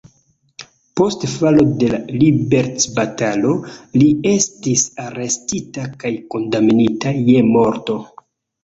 Post falo de la liberecbatalo li estis arestita kaj kondamnita je morto.